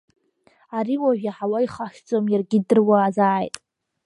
Ари уажә иаҳауа ихашҭӡом, иаргьы идыруазааит…